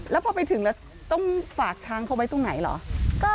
แล้วพอไปถึงแล้วต้องฝากช้างเขาไว้ตรงไหนเหรอ